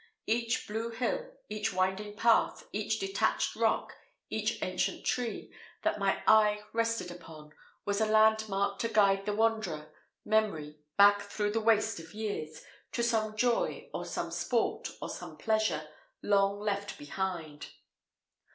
Each blue hill, each winding path, each detached rock, each ancient tree, that my eye rested upon, was a landmark to guide the wanderer, memory, back through the waste of years, to some joy, or some sport, or some pleasure, long left behind.